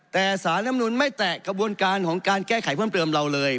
แต่สารลำนุนไม่แตะกระบวนการของการแก้ไขเพิ่มเติมเราเลย